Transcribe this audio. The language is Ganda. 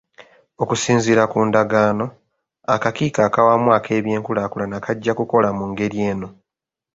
Okusinziira ku ndagaano, akakiiko ak'awamu ak'ebyenkulaakulana kajja kukola mu ngeri eno.